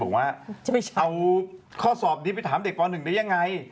บอกว่าเอาข้อสอบนี้ไปถามเด็กป๑ได้ยังไง